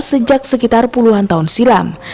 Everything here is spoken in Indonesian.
sejak sekitar puluhan tahun silam